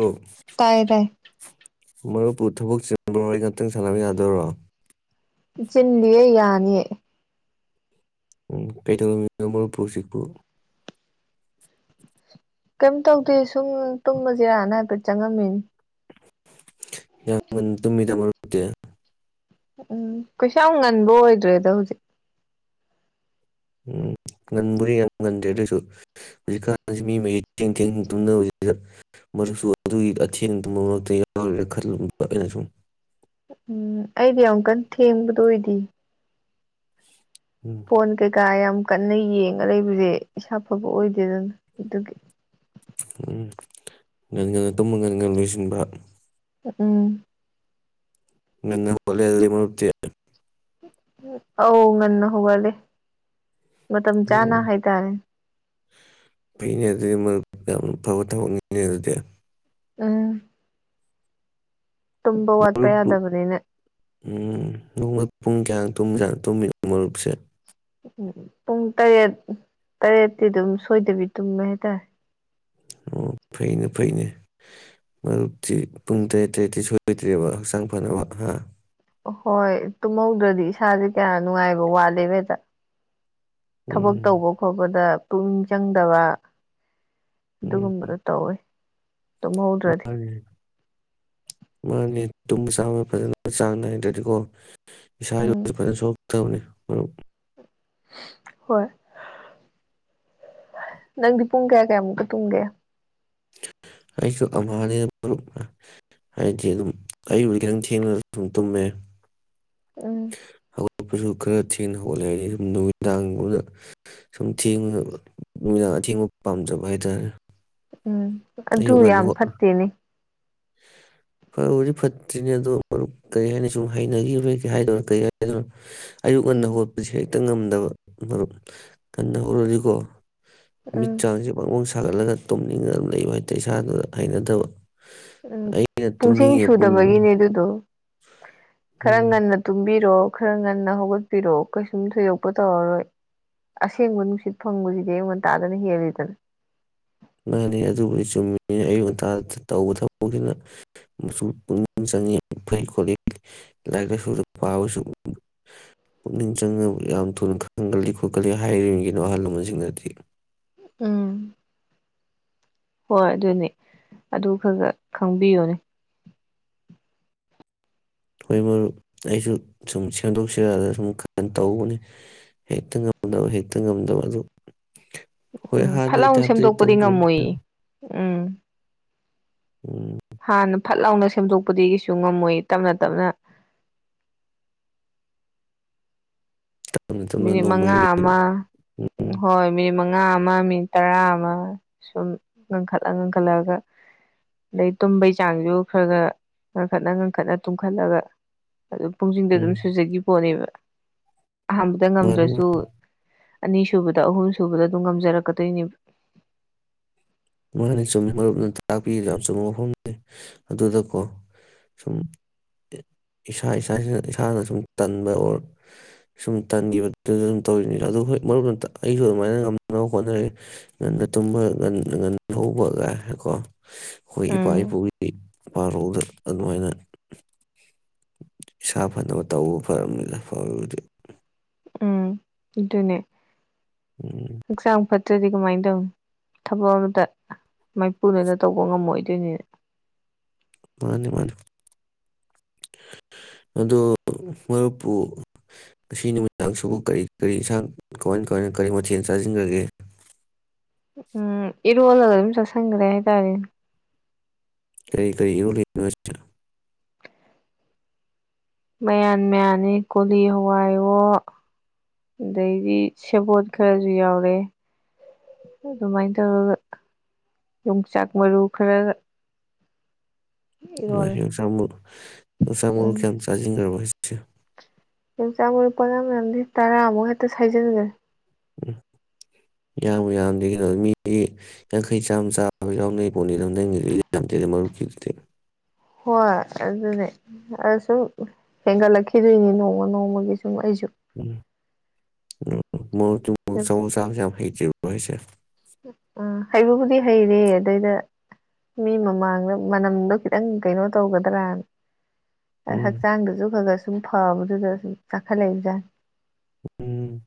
ꯑꯣ ꯇꯥꯏ ꯇꯥꯏ ꯃꯔꯨꯞꯄꯨ ꯊꯕꯛ ꯆꯤꯟꯕꯔꯣ [unintelligible] ꯉꯥꯛꯇꯪ ꯁꯥꯟꯅꯕ ꯌꯥꯗꯣꯔꯣ ꯆꯤꯟꯗꯤꯌꯦ ꯌꯥꯅꯤꯌꯦ ꯎꯝ [unintelligible] [unintelligible] ꯄꯨ ꯀꯩꯝ ꯇꯧꯗꯦ ꯁꯨꯝ ꯇꯨꯝꯕꯁꯤꯔꯅ ꯍꯥꯏꯐꯦꯠ ꯆꯪꯉꯝꯃꯤꯅꯤ ꯌꯥꯝ [unintelligible] ꯇꯨꯃꯤꯗ ꯃꯔꯨꯞꯇꯤ ꯎꯝ ꯀꯩꯁꯨꯌꯥꯝ ꯉꯟꯕ ꯑꯣꯏꯗ꯭ꯔꯦꯗ ꯍꯧꯖꯤꯛ ꯎꯝ ꯉꯟꯕꯨꯗꯤ ꯌꯥꯝ ꯉꯟꯗ꯭ꯔꯦ ꯑꯗꯨꯑꯣꯏꯁꯨ ꯍꯧꯖꯤꯛꯀꯥꯟꯁꯤ ꯃꯤ ꯃ ꯊꯦꯡ ꯊꯦꯡ ꯇꯨꯝꯅꯕꯥꯖꯤꯗ ꯃꯔꯨꯞꯁꯨ ꯑꯗꯨꯒꯤ ꯑꯊꯦꯡ ꯇꯨꯝꯕ ꯃꯔꯛꯇ ꯌꯥꯎꯔꯤꯔꯥ ꯈꯜꯂꯨꯕ ꯑꯩꯅ ꯁꯨꯝ ꯎꯝ ꯑꯩꯗꯤ [unintelligible] ꯊꯦꯡꯕꯗꯣ ꯑꯣꯏ [unintelligible] ꯎꯝ ꯐꯣꯟ ꯀꯩꯀꯥ ꯌꯥꯝ ꯀꯟꯅ ꯌꯦꯡꯉ ꯂꯩꯕꯁꯦ ꯏꯁꯥ ꯐꯕ ꯑꯣꯏꯗꯦꯗꯅ ꯑꯗꯨꯒꯤ ꯎꯝ ꯉꯟ ꯉꯟꯅ ꯇꯨꯝꯃ ꯉꯟꯉꯟ ꯂꯣꯏꯁꯤꯟꯕ ꯎꯝ ꯉꯟꯅ ꯍꯧꯒꯠꯂꯦ ꯃꯔꯨꯞꯇꯤ ꯑꯧ ꯉꯟꯅ ꯍꯧꯒꯠꯂꯦ ꯃꯇꯝ ꯆꯥꯅ ꯎꯝ ꯍꯥꯏꯇꯥꯔꯦ ꯐꯩꯅꯦ ꯑꯗꯨꯗꯤ ꯃꯔꯨꯝ ꯌꯥꯝ ꯐꯕ ꯊꯕꯛꯅꯤꯅꯦ ꯑꯗꯨꯗꯤ ꯎꯝ [unintelligible] [unintelligible] [unintelligible] ꯇꯨꯝꯕ ꯋꯥꯠꯄ ꯌꯥꯗꯕꯅꯤꯅ [unintelligible] ꯃꯔꯨꯞꯁꯦ ꯎꯝ ꯄꯨꯡ ꯇꯔꯦꯠ ꯇꯔꯦꯠꯇꯤ ꯑꯗꯨꯝ ꯁꯣꯏꯗꯕꯤ ꯇꯨꯝꯃꯦ ꯍꯥꯏꯇꯥꯔꯦ ꯑꯣ ꯐꯩꯅꯦ ꯐꯩꯅꯦ ꯃꯔꯨꯞꯇꯤ ꯄꯨꯡ ꯇꯔꯦꯠ ꯇꯔꯦꯠꯇꯤ ꯁꯣꯏꯗꯣꯏꯗ꯭ꯔꯦꯕ ꯍꯛꯆꯥꯡ ꯐꯅꯕ ꯍꯥ ꯍꯣꯏ ꯇꯨꯝꯍꯧꯗ꯭ꯔꯗꯤ ꯏꯁꯥꯁꯦ ꯀꯌꯥ ꯅꯨꯡꯉꯥꯏꯕ ꯋꯥꯠꯂꯦꯕ ꯍꯦꯛꯇ ꯊꯕꯛ ꯎꯝ ꯇꯧꯕ ꯈꯣꯠꯄꯗ ꯄꯨꯛꯅꯤꯡ ꯆꯪꯗꯕ ꯎꯝ ꯑꯗꯨꯒꯨꯝꯕꯗꯣ ꯇꯧꯋꯤ ꯇꯨꯝꯍꯧꯗ꯭ꯔꯗꯤ ꯃꯥꯅꯤ ꯃꯥꯅꯤ ꯇꯨꯝꯕ ꯆꯥꯕ ꯐꯖꯅ ꯆꯥꯡ ꯅꯥꯏꯗ꯭ꯔꯗꯤꯀꯣ ꯏꯁꯥꯥꯏ ꯎꯝ [unintelligible] ꯇꯕꯅꯤ ꯍꯣꯏ ꯅꯪꯗꯤ ꯄꯨꯡ ꯀꯌꯥ ꯀꯌꯥꯃꯨꯛꯀ ꯇꯨꯝꯒꯦ ꯑꯩꯁꯨ ꯑꯃꯍꯤꯅꯤꯗ ꯃꯔꯨꯞ ꯍꯥꯏꯗꯤ ꯑꯗꯨꯝ ꯑꯩꯕꯨ ꯈꯤꯇꯪ ꯊꯦꯡꯅ ꯑꯗꯨꯝ ꯇꯨꯝꯃꯦ ꯎꯝ ꯍꯧꯒꯠꯛꯄꯁꯨ ꯈꯔ ꯊꯦꯡꯅ ꯍꯧꯒꯠꯂꯦ ꯍꯥꯏꯗꯤ ꯁꯨꯝ ꯅꯨꯃꯤꯗꯥꯡꯒꯨꯝꯕꯗ ꯁꯨꯝ ꯊꯦꯡꯕ ꯅꯨꯃꯤꯗꯥꯡ ꯑꯊꯦꯡꯕ ꯄꯥꯝꯖꯕ ꯍꯥꯏꯇꯥꯔꯦ ꯎꯝ ꯑꯗꯨ ꯑꯌꯨꯛ ꯉꯟꯅ ꯌꯥꯝ ꯍꯧ ꯐꯠꯇꯦꯅꯦ ꯐꯕꯨꯗꯤ ꯐꯠꯇ꯭ꯔꯤꯅꯦ ꯑꯗꯣ ꯃꯔꯨꯞ ꯀꯩ ꯍꯥꯏꯅꯤ ꯁꯨꯝ ꯍꯥꯏꯅꯒꯤꯕꯩ ꯀꯩꯍꯥꯏꯗꯣꯏꯅꯣ ꯀꯩꯍꯥꯏꯗꯣꯅꯣ ꯑꯌꯨꯛ ꯉꯟꯅ ꯎꯝ ꯍꯧꯒꯠꯄꯁꯦ ꯍꯦꯛꯇ ꯉꯝꯗꯕ ꯃꯔꯨꯞ ꯉꯟꯅ ꯍꯧꯔꯗꯤꯀꯣ ꯃꯤꯠ ꯎꯝ ꯆꯥꯡꯁꯤ ꯕꯪꯕꯪꯁꯥ ꯊꯥꯒꯠꯂꯒ ꯇꯨꯝꯅꯤꯡꯉ ꯑꯝ ꯂꯩꯕ ꯍꯥꯏꯇꯥꯏ ꯏꯁꯥꯗꯨꯗ ꯍꯩꯅꯗꯕ ꯎꯝ ꯑꯩꯅ ꯄꯨꯡꯁꯤꯡ ꯇꯨꯝꯅꯤꯡꯉꯤꯕ ꯄꯨꯡꯗꯣ ꯁꯨꯗꯕꯒꯤꯅꯦ ꯑꯗꯨꯗꯣ ꯈꯔ ꯎꯝ ꯉꯟꯅ ꯇꯨꯝꯕꯤꯔꯣ ꯈꯔ ꯉꯟꯅ ꯍꯧꯒꯠꯄꯤꯔꯛꯑꯣ ꯀꯩꯁꯨꯝ ꯊꯣꯏꯗꯣꯛꯄ ꯇꯧꯔꯔꯣꯏ ꯑꯁꯦꯡꯕ ꯅꯨꯡꯁꯤꯠ ꯐꯪꯕꯁꯤꯗꯤ ꯑꯩꯉꯟꯇꯥꯗꯅ ꯍꯦꯜꯂꯤꯗꯅ ꯃꯥꯅꯤ ꯑꯗꯨꯕꯨꯗꯤ ꯆꯨꯝꯃꯤꯅꯤꯅ ꯑꯌꯨꯛ ꯉꯟꯇꯥ ꯇꯧꯕ ꯊꯕꯛꯁꯤꯅ ꯄꯨꯛꯅꯤꯡ ꯆꯪꯏꯤ ꯌꯥꯝ ꯐꯩ ꯈꯣꯠꯂꯤ ꯂꯥꯏꯔꯤꯛ ꯂꯥꯏꯁꯨꯗ ꯄꯥꯕꯁꯨ ꯄꯨꯛꯅꯤꯡ ꯆꯪꯅꯕ ꯌꯥꯝ ꯊꯨꯅ ꯈꯪꯒꯜꯂꯤ ꯈꯣꯠꯀꯜꯂꯤ ꯍꯥꯏꯔꯤꯕꯒꯤꯅꯣ ꯑꯍꯜ ꯂꯃꯟꯁꯤꯡꯅꯗꯤ ꯎꯝ ꯍꯣꯏ ꯑꯗꯨꯅꯤ ꯑꯗꯨ ꯈ ꯈ ꯈꯪꯕꯤꯌꯨꯅꯦ ꯍꯣꯏ ꯃꯔꯨꯞ ꯑꯩꯁꯨ ꯁꯨꯝ ꯁꯦꯝꯗꯣꯛ ꯁꯤꯔꯅ ꯁꯨꯝ ꯀ ꯇꯧꯕꯅꯤ ꯍꯦꯛꯇ ꯉꯝꯗꯕ ꯍꯦꯛꯇ ꯉꯝꯗꯕ ꯑꯗꯨ ꯍꯣꯏ ꯎꯝ ꯍꯥꯟꯅꯒꯤ ꯐꯠꯂꯥꯎ ꯇꯥꯏꯞꯇꯗꯤ ꯁꯦꯝꯗꯣꯛꯄꯗꯤ ꯇꯧꯗ꯭ꯔꯦ ꯉꯝꯃꯣꯏ ꯎꯝ ꯎꯝ ꯍꯥꯟꯅ ꯐꯠ ꯂꯥꯎꯅ ꯁꯦꯝꯗꯣꯛꯄꯗꯒꯤꯁꯨ ꯉꯝꯃꯣꯏ ꯇꯞꯅ ꯇꯞꯅ ꯇꯞꯅ ꯇꯞꯅ ꯃꯤꯅꯤꯠ ꯃꯉꯥ ꯅꯣꯡꯃꯒꯤ ꯑꯃ ꯎꯝ ꯍꯣꯏ ꯃꯤꯅꯤꯠ ꯃꯉꯥ ꯃꯉꯥ ꯑꯃ ꯃꯤꯅꯤꯠ ꯇꯔꯥ ꯑꯃ ꯁꯨꯝ ꯉꯟꯈꯠꯂ ꯉꯟꯈꯠꯂꯒ ꯑꯗꯩ ꯇꯨꯝꯕꯩ ꯆꯥꯡꯁꯨ ꯈꯔ ꯈꯔ ꯉꯟꯈꯠꯅ ꯉꯟꯈꯠꯅ ꯇꯨꯝꯈꯠꯂꯒ ꯑꯗꯨꯝ ꯄꯨꯡꯁꯤꯗꯨ ꯎꯝ ꯑꯗꯨꯝ ꯁꯨꯖꯒꯤ ꯄꯣꯠꯅꯦꯕ ꯑꯍꯥꯟꯕꯗ ꯃꯥꯅꯤ ꯉꯝꯗ꯭ꯔꯁꯨ ꯑꯅꯤꯁꯨꯕꯗ ꯑꯍꯨꯝ ꯁꯨꯕꯗ ꯑꯗꯨꯝ ꯉꯝꯖꯔꯛꯀꯗꯣꯏꯅꯦꯕ ꯃꯥꯅ ꯆꯨꯝꯃꯤ ꯃꯔꯨꯞꯅ ꯇꯥꯛꯄꯤꯔꯤꯗꯣ ꯌꯥꯝ ꯆꯨꯝꯕ ꯃꯐꯝꯅꯤ ꯑꯗꯨꯗꯀꯣ ꯁꯨꯝ ꯏꯁꯥ ꯏꯁꯥꯁꯤꯅ ꯏꯁꯥꯅ ꯁꯨꯝ ꯇꯟꯕ ꯑꯣꯔ ꯁꯨꯝ ꯇꯟꯈꯤꯕꯗꯨꯗ ꯑꯗꯨꯝ ꯇꯧꯔꯤꯅꯤ ꯑꯗꯨ ꯍꯣꯏ ꯃꯔꯨꯞꯅ ꯑꯩꯁꯨ ꯑꯗꯨꯃꯥꯏꯅ ꯉꯝꯅꯕ ꯍꯣꯠꯅꯔꯦ ꯉꯟꯅ ꯇꯨꯝꯕ ꯉꯟꯅ ꯉꯟꯅ ꯂꯧꯕꯒ ꯀꯣ ꯑꯩꯈꯣꯏ ꯏꯄꯥ ꯎꯝ ꯏꯄꯨꯒꯤ ꯏ ꯄꯔꯣꯗ ꯑꯗꯨꯃꯥꯏꯅ ꯏꯁꯥ ꯐꯅꯕ ꯇꯧꯕ ꯐꯔꯝꯅꯤꯅ ꯐꯗꯤ ꯗꯨꯅꯦ ꯎꯝ ꯑꯦꯛꯖꯥꯝ ꯐꯠ ꯅꯠꯇ꯭ꯔꯗꯤ ꯀꯃꯥꯏꯅ ꯇꯧ ꯊꯕꯛ ꯑꯃꯇ ꯃꯥꯏꯄꯨꯅꯅ ꯇꯧꯕ ꯉꯝꯃꯣꯏꯗꯣꯏꯅꯤꯅ ꯃꯥꯅꯤ ꯃꯥꯅꯤ ꯑꯗꯣ ꯃꯔꯨꯞꯄꯨ ꯉꯁꯤ ꯅꯨꯃꯤꯗꯥꯡꯁꯤꯕꯨ ꯀꯔꯤ ꯀꯔꯤ ꯏꯟꯁꯥꯡ ꯀꯃꯥꯏ ꯀꯃꯥꯏꯅ ꯀꯔꯤ ꯃꯊꯦꯜ ꯆꯥꯁꯤꯟꯈ꯭ꯔꯒꯦ ꯎꯝ ꯏꯔꯣꯜꯂꯒ ꯑꯗꯨꯝ ꯆꯥꯁꯤꯟꯈ꯭ꯔꯦ ꯍꯥꯏꯇꯥꯔꯦ ꯀꯔꯤ ꯀꯔꯤ ꯏꯔꯣꯜꯂꯤꯅꯣ ꯍꯥꯢꯁꯦ ꯃꯌꯥꯟ ꯃꯌꯥꯟꯅꯤ ꯀꯣꯂꯤ ꯍꯋꯥꯏꯔꯣ ꯑꯗꯩꯗꯤ ꯁꯦꯕꯣꯠ ꯈꯔꯁꯨ ꯌꯥꯎꯔꯦ ꯑꯗꯨꯃꯥꯏꯅ ꯇꯧꯔꯒ ꯌꯣꯡꯆꯥꯛ ꯃꯔꯨ ꯈꯔꯑ ꯏꯃꯩ ꯌꯣꯡꯆꯥꯛ ꯃꯔꯨ ꯌꯣꯡꯆꯥꯛ ꯃꯔꯨ ꯎꯝ ꯀꯌꯥꯝ ꯆꯥꯖꯤꯟꯈ꯭ꯔꯕ [unintelligible] ꯌꯣꯡꯆꯥꯛ ꯃꯔꯨꯄꯥꯉ ꯃꯝꯗꯤ ꯇꯔꯥꯃꯨꯛ ꯍꯦꯛꯇ ꯁꯖꯤꯟꯒꯅꯤ ꯎꯝ ꯌꯥꯝꯃꯨ ꯌꯥꯝꯗꯦ ꯀꯩꯅꯣ ꯃꯤꯗꯤ ꯌꯥꯡꯈꯩ ꯆꯥꯝꯃ ꯆꯥꯕ ꯌꯥꯎꯅꯩ ꯄꯣꯅꯤꯗ ꯅꯪꯒꯤꯗꯤ ꯌꯥꯝꯗꯦꯗ ꯃꯔꯨꯞꯀꯤꯗꯨꯗꯤ ꯍꯣꯏ ꯑꯗꯨꯅꯦ ꯑꯁꯨꯝ ꯍꯦꯟꯒꯠꯂꯛꯈꯤꯗꯣꯏꯅꯤ ꯅꯣꯡꯃ ꯅꯣꯡꯃꯒꯤꯁꯨ ꯁꯨꯡ ꯑꯩꯁꯨ [unintelligible] [unintelligible] [unintelligible] ꯑꯥ ꯍꯩꯕꯕꯨꯗꯤ ꯍꯩꯔꯦ ꯑꯗꯨꯗꯩꯗ ꯃꯤ ꯃꯃꯥꯡꯗ ꯃꯅꯝꯗꯣ ꯈꯤꯇꯪ ꯀꯩꯅꯣ ꯇꯧꯒꯗ꯭ꯔꯥꯅ ꯎꯝ ꯍꯛꯆꯥꯡꯗꯨꯁꯨ ꯈꯒꯔ ꯁꯨꯝ ꯐꯕꯗꯨꯗ ꯁꯨꯝ ꯆꯥꯈꯠꯂꯛꯏꯖ ꯎꯝ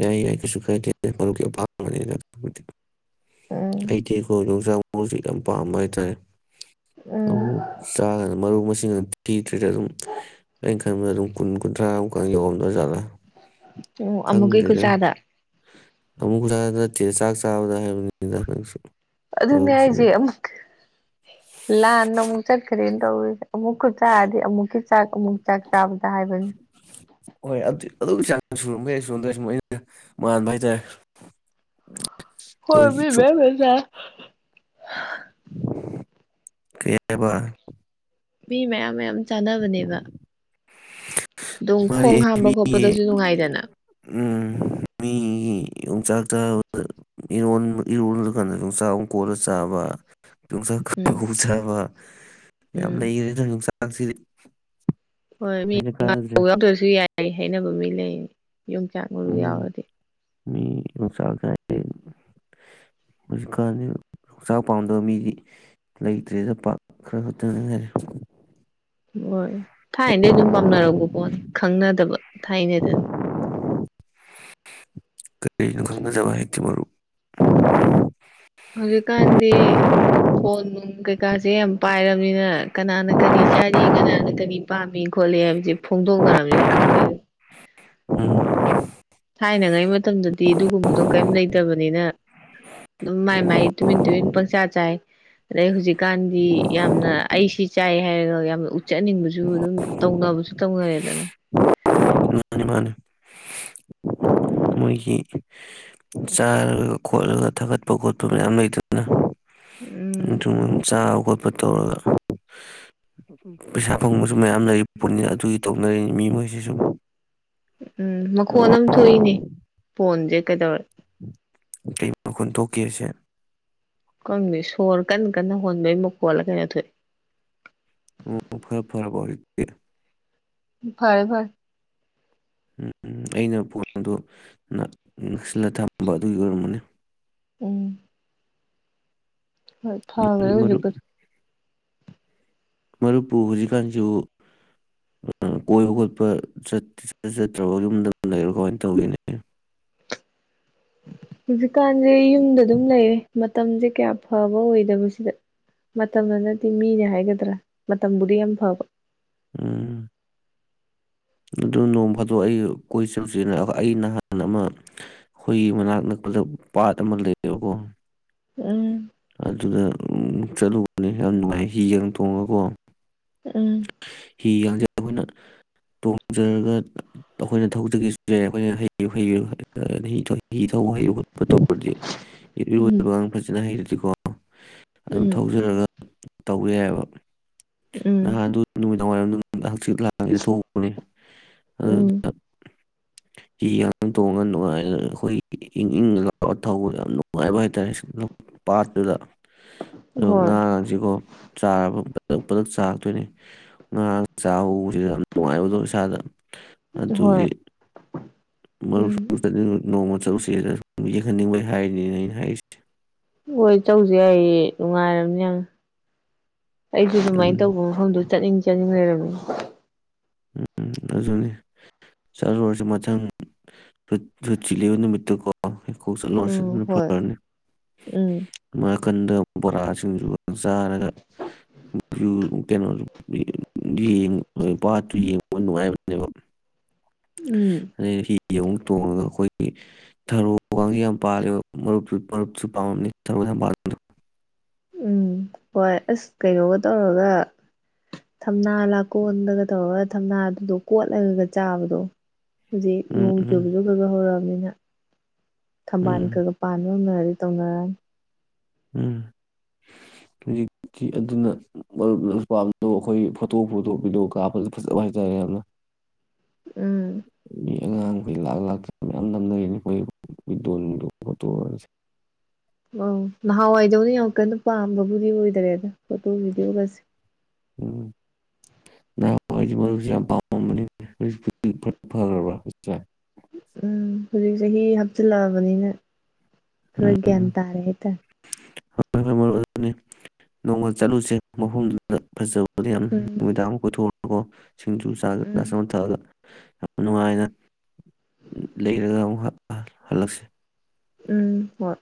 ꯌꯥꯏ ꯌꯥꯏ ꯀꯩꯁꯨ ꯀꯥꯏꯗꯦ ꯃꯔꯨꯞꯀꯤ ꯑꯄꯥꯝꯕꯅꯤ ꯑꯗꯨꯕꯨꯗꯤ ꯎꯝ ꯑꯩꯗꯤ ꯀꯣ ꯌꯣꯡꯆꯥꯛ ꯃꯖꯤ ꯌꯥꯝ ꯄꯥꯝꯕ ꯍꯥꯏꯇꯥꯔꯦ ꯎꯝ [unintelligible] ꯊꯤꯗ꯭ꯔꯤ ꯑꯗꯨꯝ ꯑꯩꯅ ꯈ ꯑꯗꯨꯝ ꯀꯨ ꯀꯨꯟꯊ꯭ꯔꯥ ꯑꯃꯨꯛꯀꯪ ꯌꯧꯝꯗ꯭ꯔꯖꯥꯠꯂꯥ ꯎꯝ ꯑꯃꯨꯛꯀꯤ ꯈꯪꯗ꯭ꯔꯤꯗ ꯈꯨꯠꯆꯥꯗ ꯑꯃꯨꯛꯊ ꯆꯦ ꯆꯥꯛ ꯆꯥꯕꯗ ꯍꯥꯏꯕꯅꯤ ꯏꯗꯪꯁꯨ ꯑꯗꯨ ꯑꯗꯨ ꯃ ꯍꯥꯏꯏꯖ ꯑꯃꯨꯛ ꯂꯍꯥꯟꯅ ꯑꯃꯨꯛ ꯆꯠꯀꯔꯤ ꯇꯧꯋ ꯑꯃꯨꯛ ꯆꯗꯤ ꯑꯃꯨꯛ ꯆꯥꯛ ꯑꯃꯨꯛ ꯆꯥꯛꯕꯒꯤ [unintelligible] ꯍꯣꯏ ꯑꯗꯨ ꯑꯗꯨꯒꯤ ꯆꯥꯡ ꯁꯨꯔꯝ ꯃꯈꯩ ꯁꯨꯔꯣꯟꯗ꯭ꯔ ꯁꯨꯝ ꯑꯩꯅ ꯃꯥꯟꯕ ꯍꯥꯏꯇꯥꯔꯦ ꯍꯣꯏ ꯃꯤ ꯑꯩꯈꯣꯏꯒꯤ ꯁꯨꯝ ꯃ ꯃꯁ ꯍꯥꯥ ꯀꯔꯤꯕ ꯃꯤ ꯃꯌꯥꯝ ꯃꯌꯥꯝ ꯆꯥꯅꯕꯅꯦꯕ ꯑꯗꯨꯝ ꯈꯣꯡ ꯃꯥꯗꯤ ꯍꯥꯝꯕ ꯃꯤꯒꯤ ꯈꯣꯠꯄꯗꯁꯨ ꯅꯨꯡꯉꯥꯏꯗꯅ ꯃꯤꯒꯤ ꯌꯣꯡꯆꯥꯛꯥꯕꯗꯔ ꯏꯔꯣꯜꯂꯀꯥꯟꯗ ꯌꯣꯡꯆꯥꯛ ꯏꯪꯀꯣꯜꯂ ꯆꯥꯕ ꯎꯝ ꯌꯣꯡꯆꯥꯛꯄꯣꯡ ꯆꯥꯕ ꯌꯥꯝ ꯎꯝ ꯂꯩꯈꯔꯦ ꯅꯪ ꯌꯣꯡꯆꯥꯛ ꯅꯪꯁꯤꯔꯤ ꯍꯣꯏ ꯃꯤ ꯌꯥꯎꯗ꯭ꯔꯁꯨ ꯌꯥꯏ ꯍꯥꯏꯅꯕ ꯃꯤ ꯂꯩꯅꯤ ꯌꯣꯡꯆꯥꯛ ꯃꯔꯨ ꯎꯝ ꯌꯥꯎꯔꯗꯤ ꯃꯤ [unintelligible] ꯍꯧꯖꯤꯛꯀꯥꯟꯗꯤ ꯍꯆꯥꯛ ꯄꯥꯝꯗꯕ ꯃꯤꯗꯤ ꯂꯩꯇ꯭ꯔꯦ ꯆꯠꯄ ꯈꯔ ꯈꯛꯇꯅꯤ ꯍꯥꯏꯦ ꯍꯣꯏ ꯊꯥꯏꯅꯗꯩ ꯑꯗꯨꯝ ꯄꯥꯝꯅꯔꯛꯄ ꯄꯣꯠꯅꯤ ꯈꯪꯅꯗꯕ ꯊꯥꯏꯅꯗꯅ ꯀꯔꯤꯅꯣ ꯈꯪꯅꯗꯕ ꯍꯥꯏꯇꯤ ꯃꯔꯨꯞ ꯍꯧꯖꯤꯛꯀꯥꯟꯗꯤ ꯐꯣꯟ ꯅꯨꯡ ꯀꯩꯀꯥꯁꯦ ꯌꯥꯝ ꯄꯥꯏꯔꯕꯅꯤꯅ ꯀꯅꯥꯅ ꯀꯔꯤ ꯆꯥꯔꯤ ꯀꯅꯥꯅ ꯀꯔꯤ ꯄꯥꯝꯃꯤ ꯈꯣꯠꯂꯤ ꯍꯥꯏꯕꯕꯁꯤ ꯐꯣꯡꯗꯣꯛꯅꯔꯛꯄ ꯅꯤꯅ ꯈꯪꯑꯦ ꯎꯝ ꯊꯥꯏꯅꯉꯩ ꯃꯇꯝꯗꯗꯤ ꯑꯗꯨꯒꯨꯝꯕꯗꯣ ꯀꯔꯤꯝ ꯂꯩꯇꯕꯅꯤꯅ ꯑꯗꯨꯝ ꯃꯥꯏ ꯃꯥꯏ ꯇꯨꯃꯤꯟ ꯇꯨꯃꯤꯟ ꯄꯪꯆꯥ ꯆꯥꯏ ꯑꯗꯩ ꯍꯧꯖꯤꯛ ꯀꯥꯟꯗꯤ ꯌꯥꯝꯅ ꯑꯩꯁꯤ ꯆꯥꯏ ꯍꯥꯏꯔꯒ ꯌꯥꯝꯅ ꯎꯠꯆꯅꯤꯡꯕꯁꯨ ꯑꯗꯨꯝ ꯇꯧꯅꯕꯁꯨ ꯇꯧꯅꯔꯦꯗꯅ ꯃꯥꯅꯤ ꯃꯥꯅꯤ ꯃꯣꯏꯒꯤ ꯆꯥꯔꯒ ꯈꯣꯠꯂꯒ ꯊꯥꯒꯠꯄ ꯈꯣꯠꯄ ꯃꯌꯥꯝ ꯂꯩꯗꯅ ꯎꯝ ꯆꯥꯕ ꯈꯣꯠ [inaudible] ꯇꯧꯔꯒ ꯄꯩꯁꯥ ꯐꯪꯕꯁꯨ ꯃꯌꯥꯝ ꯂꯩ ꯄꯨꯣꯠꯅꯤ ꯑꯗꯨꯒꯤ ꯇꯧꯅꯔꯤꯅꯤ ꯃꯤ ꯃꯣꯏꯁꯤ ꯁꯨ ꯎꯝ ꯃꯈꯣꯟ ꯑꯃ ꯊꯣꯛꯏꯅꯦ ꯐꯣꯟꯁꯦ ꯀꯩꯗꯧꯔꯦ ꯀꯩ ꯃꯈꯣꯟ ꯊꯣꯛꯀꯦ ꯍꯥꯌꯁꯦ ꯈꯪꯗꯦ ꯁꯣꯔ ꯀꯟꯅ ꯀꯟꯅ ꯍꯣꯟꯕꯩꯨ ꯃꯈꯣꯜ ꯀꯩꯅꯣ ꯊꯣꯛꯏ ꯎꯝ ꯈꯔ ꯐꯔꯕꯣ ꯍꯧꯖꯤꯛꯇꯤ ꯐꯔꯦ ꯐꯔꯦ ꯑꯩꯅ ꯐꯣꯟ ꯑꯗꯨ ꯅꯛꯁꯤꯜꯂ ꯊꯝꯕ ꯑꯗꯨꯒꯤ ꯑꯣꯏꯔꯝꯒꯅꯤ ꯎꯝ ꯃꯔꯨꯞ [unintelligible] ꯃꯔꯨꯞꯄꯨ ꯍꯧꯖꯤꯛꯀꯥꯟꯁꯤꯕꯨ ꯀꯣꯏꯕ ꯈꯣꯠꯄ ꯆꯠꯇ꯭ꯔꯕꯣ [unintelligible] ꯂꯩꯔꯣ ꯀꯃꯥꯏꯅ ꯇꯧꯒꯅꯦ ꯍꯧꯖꯤꯛꯀꯥꯟꯁꯦ ꯌꯨꯝꯗ ꯑꯗꯨꯝ ꯂꯩꯔꯦ ꯃꯇꯝꯁꯦ ꯀꯌꯥ ꯐꯕ ꯑꯣꯏꯗꯕꯁꯤꯗ ꯃꯇꯝꯅ ꯅꯠꯇꯦ ꯃꯤꯅꯦ ꯍꯥꯏꯒꯗ꯭ꯔꯥ ꯃꯇꯝꯕꯨꯗꯤ ꯌꯥꯝ ꯐꯕ ꯎꯝ ꯑꯗꯨ ꯅꯣꯡ ꯐꯥꯗꯣꯛ ꯑꯩ ꯀꯣꯏ ꯆꯠꯂꯨꯁꯤꯔꯕ ꯑꯩ ꯅꯍꯥꯟ ꯑꯃ ꯍꯣꯏ ꯃꯅꯥꯛ ꯅꯛꯄꯗ ꯄꯥꯠ ꯑꯃ ꯂꯩꯌꯦꯕꯀꯣ ꯎꯝ ꯑꯗꯨꯗ ꯆꯠꯂꯨꯕꯅꯤ ꯌꯥꯝ ꯅꯨꯡꯉꯥꯏ ꯍꯤꯒ ꯇꯣꯡꯉꯀꯣ ꯎꯝ ꯍꯤ ꯒꯥꯡꯖꯦ ꯑꯩꯈꯣꯏꯅ ꯇꯣꯡꯖꯔꯒ ꯑꯩꯈꯣꯏꯅ ꯊꯧꯖꯒꯦꯁꯨ ꯌꯥ ꯑꯩꯈꯣꯏꯅ ꯍꯩ ꯍꯩ ꯍꯤ [unintelligible] ꯊꯧꯕ ꯍꯩꯨ ꯈꯣꯠꯄ ꯇꯧꯔꯗꯤ ꯎꯝ [unintelligible] ꯑꯗꯨꯀꯣ ꯑꯗꯨꯝ ꯎꯝ ꯊꯧꯖꯔꯒ ꯇꯧꯕ ꯌꯥꯏꯑꯕ ꯎꯝ ꯅꯍꯥꯟꯗꯨ ꯅꯨꯃꯤꯗꯥꯡ ꯋꯥꯏꯔꯝ ꯍꯛꯆꯤꯠ ꯂꯥꯡꯒꯦ ꯊꯣꯛꯎꯕꯅꯦ ꯎꯝ ꯑꯗꯨꯅ ꯍꯤ ꯇꯣꯡꯉꯒ ꯅꯨꯡꯉꯥꯏ ꯑꯩꯈꯣꯏꯒꯤ ꯏꯪ ꯏꯪ ꯂꯥꯎꯔꯒ ꯊꯧꯕ ꯌꯥꯝ ꯅꯨꯡꯉꯥꯏꯕ ꯍꯥꯏꯇꯥꯔꯦ ꯄꯥꯠꯇꯨꯗ ꯑꯗ ꯍꯣꯏ ꯉꯥꯒꯁꯤꯀꯣ ꯆꯥꯔꯕ ꯄꯨꯜꯂꯞ ꯆꯥ ꯉꯥ ꯆꯥꯕ ꯎꯕꯁꯦ ꯀꯣ ꯌꯥꯝ ꯅꯨꯡꯉꯥꯏꯕꯗꯣ ꯏꯁꯥꯗ ꯍꯣꯏ ꯑꯗꯨꯒꯤ ꯃꯔꯨꯞ ꯎꯝ [unintelligible] ꯅꯣꯡꯃ ꯆꯠꯂꯨꯁꯦꯗ ꯌꯦꯡꯍꯟꯅꯤꯡꯕꯩ ꯍꯥꯏꯔꯤꯅꯤꯅ ꯑꯩꯅ ꯍꯥꯏꯔꯤꯁꯦ ꯍꯣꯏ ꯆꯠꯂꯨꯁꯦ ꯌꯥꯏꯌꯦ ꯅꯨꯡꯉꯥꯏꯔꯕꯅꯦ ꯑꯩꯁꯨ ꯑꯗꯨꯃꯥꯏꯅ ꯎꯝ ꯇꯧꯕ ꯃꯐꯝꯗꯣ ꯆꯠꯅꯤꯡ ꯆꯠꯅꯤꯡ ꯂꯩꯔꯝꯃꯤꯅꯤ ꯎꯝ ꯑꯗꯨꯅꯤ ꯆꯠꯂꯨꯔꯁꯤ ꯃꯊꯪ ꯁꯨꯇꯤ ꯂꯩꯕ ꯅꯨꯃꯤꯠꯇ ꯀꯣ ꯀꯣꯛ ꯆꯠꯂꯨꯔꯁꯤ ꯎꯝ ꯑꯗꯨꯅ ꯍꯣꯏ ꯐꯔꯅꯤ ꯎꯝ ꯃ [unintelligible] ꯗꯀ ꯕꯣꯔꯥ ꯁꯤꯡꯁꯨ ꯆꯥꯔꯒ ꯀꯩꯅꯣꯁꯨ ꯌꯦ ꯄꯥꯠꯇꯨ ꯌꯦꯡꯕ ꯅꯨꯡꯉꯥꯏꯕꯅꯦꯕ ꯎꯝ ꯌꯦꯎꯨꯛ ꯇꯣꯡꯉꯒ ꯑꯩꯈꯣꯏꯒꯤ ꯊꯔꯣꯒꯁꯤ ꯌꯥꯝ ꯄꯥꯜꯂꯦ ꯃꯔꯨꯞꯇ ꯃꯔꯨꯞꯁꯨ ꯄꯥꯝꯃꯝꯅꯤ ꯊꯔꯣ ꯌꯥꯝꯥꯜꯂꯤꯗ ꯎꯝ ꯍꯣꯏ ꯑꯁ ꯀꯩꯅꯣꯒ ꯇꯧꯔꯒ ꯊꯝꯅꯥ ꯂꯥꯀꯣꯟꯗꯒ ꯇꯧꯔꯒ ꯊꯝꯅꯥꯗꯨꯗꯣ ꯀꯣꯠꯂꯒꯒ ꯆꯥꯕꯗꯣ ꯍꯧꯖꯤꯛ ꯎꯝ ꯅꯣꯡ ꯎꯝ ꯆꯨꯕꯁꯨꯒꯖ ꯍꯧꯔꯛꯑꯒ ꯑꯗꯨꯟ ꯊꯝꯕꯥꯟ ꯎꯝ ꯈꯔꯥ ꯈꯔꯥ ꯄꯟ [unintelligible] ꯇꯧꯅꯔꯛꯅꯤ ꯎꯝ ꯍꯧꯖꯤꯛꯇꯤ ꯑꯗꯨꯅ ꯃꯔꯨꯞꯅ [unintelligible] ꯄꯥꯝꯗꯣ ꯑꯩꯈꯣꯏ ꯐꯣꯇꯣ ꯐꯨꯇꯣ ꯚꯤꯗꯤꯑꯣ ꯀꯥꯞꯄ ꯐꯖꯕ ꯍꯥꯏꯇꯥꯔꯦ ꯌꯥꯝꯅ ꯎꯝ ꯑꯩ ꯑꯉꯥꯡꯈꯩ ꯂꯥꯛ ꯂꯥꯛꯇꯅ ꯃꯌꯥꯝ ꯂꯝꯅꯔꯤꯅꯤ ꯑꯩꯈꯣꯏ ꯚꯗꯤꯑꯣ ꯅꯨꯡꯗꯣ ꯐꯣꯇꯣ ꯑꯣꯏꯔꯁꯦ ꯑ ꯅꯍꯥꯟꯋꯥꯏꯗꯧꯅ ꯌꯥꯝ ꯀꯟꯅ ꯄꯥꯝꯕꯕꯨꯗꯤ ꯑꯣꯏꯗ꯭ꯔꯦꯗ ꯐꯣꯇꯣ ꯚꯤꯗꯤꯑꯣꯒꯁꯦ ꯎꯝ ꯅꯍ [unintelligible] ꯑꯩꯗꯤ ꯃꯔꯨꯞꯁ ꯌꯥꯝ ꯄꯥꯝꯃꯝꯕꯅꯤ ꯍꯧ ꯐꯈ꯭ꯔꯕ ꯎꯝ ꯍꯨꯖꯤ ꯆꯍꯤ ꯍꯥꯞ ꯆ ꯂꯕꯅꯤꯅ ꯈꯔꯥ ꯒꯌ꯭ꯥꯟ ꯎꯝ ꯇꯥꯔꯦ ꯍꯥꯏ ꯇꯥꯔꯦ [unintelligible] ꯅꯣꯡꯃ ꯆꯠꯂꯨꯁꯦ ꯃꯐꯝꯗꯨꯗ ꯐꯖꯕ [unintelligible] ꯌꯥꯝ ꯎꯝ ꯅꯨꯃꯤꯗꯥ ꯑꯃ ꯀꯣꯏꯊꯣ ꯑꯣꯣ ꯁꯤꯡꯖꯨ ꯆꯥꯒ [unintelligible] ꯎꯝ ꯆꯁ ꯑꯃ ꯊꯛꯑꯒ ꯌꯥꯝ ꯅꯨꯡꯉꯥꯏꯅ [unintelligible] ꯂꯩꯔꯒ ꯑꯃꯨꯛ ꯍꯜꯂꯛꯁꯤ ꯎꯝ ꯍꯣꯏ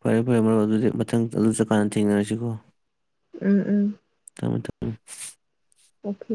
ꯐꯔꯦ ꯐꯔꯦ ꯃꯔꯨꯞ ꯑꯗꯨꯗꯤ ꯃꯊꯪ ꯑꯗꯨ ꯆꯠꯀꯥꯟꯗ ꯊꯦꯡꯅꯔꯁꯤꯀꯣ ꯎꯝ ꯎꯝ ꯊꯃꯦ ꯊ ꯑꯣꯈꯦ